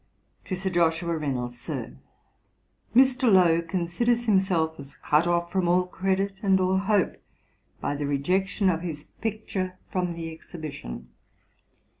TO SIR JOSHUA REYNOLDS. 'SIR, 'Mr. Lowe considers himself as cut off from all credit and all hope, by the rejection of his picture from the Exhibition.